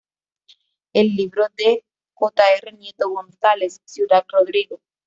El libro de J. R. Nieto González: "Ciudad Rodrigo.